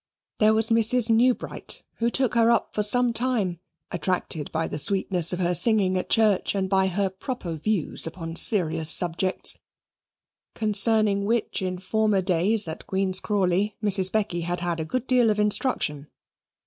There was Mrs. Newbright, who took her up for some time, attracted by the sweetness of her singing at church and by her proper views upon serious subjects, concerning which in former days, at Queen's Crawley, Mrs. Becky had had a good deal of instruction.